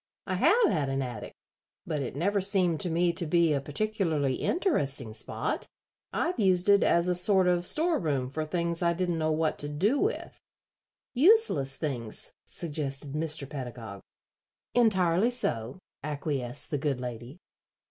"I have had an attic, but it never seemed to me to be a particularly interesting spot. I've used it as a sort of store room for things I didn't know what to do with." "Useless things," suggested Mr. Pedagog. "Entirely so," acquiesced the good lady.